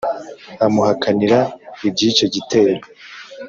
amuhakanira iby'icyo gitero,